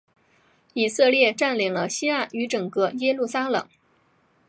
以色列占领了西岸与整个耶路撒冷。